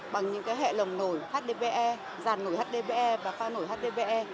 bằng những hệ lồng nổi hdpe giàn nổi hdpe và pha nổi hdpe